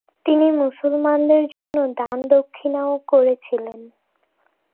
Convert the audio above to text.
তিনি মুসলমানদের জন্য দান-দক্ষিণাও করেছিলেন।